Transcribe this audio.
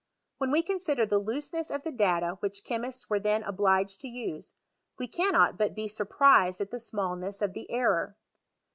When we consider the looseness of the data which chemists were then obliged to use, we cannot but be surprised at the smailness of the error.